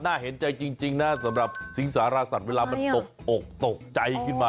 น่าเห็นใจจริงนะสำหรับสิงสารสัตว์เวลามันตกอกตกใจขึ้นมา